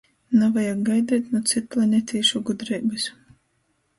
Navajag gaideit nu cytplanetīšu gudreibys!